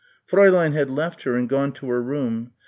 Fräulein had left her and gone to her room.